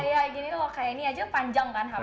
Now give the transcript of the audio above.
kayak gini loh kayak ini aja panjang kan hp nya